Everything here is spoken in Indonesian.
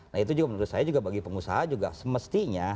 nah itu juga menurut saya juga bagi pengusaha juga semestinya